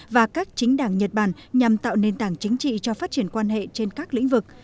và các chính đảng nhật bản nhằm tạo nền tảng chính trị cho phát triển quan hệ trên các lĩnh vực